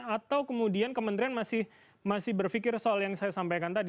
atau kemudian kementerian masih berpikir soal yang saya sampaikan tadi